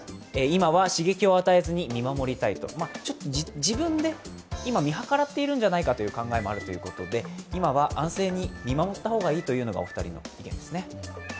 自分で今、見計らっているんじゃないかという考えもあるということで今は安静に見守った方がいいというのがお二人の意見ですね。